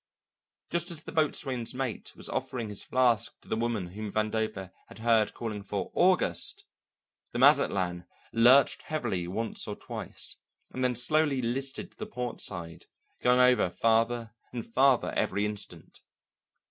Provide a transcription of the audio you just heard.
Just as the boatswain's mate was offering his flask to the woman whom Vandover had heard calling for "August," the Mazatlan lurched heavily once or twice, and then slowly listed to the port side, going over farther and farther every instant.